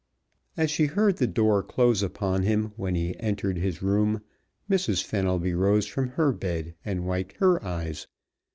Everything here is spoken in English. As she heard the door close upon him when he entered his room Mrs. Fenelby rose from her bed and wiped her eyes.